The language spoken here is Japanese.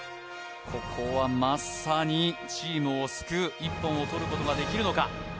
ここはまさにチームを救う一本をとることができるのか？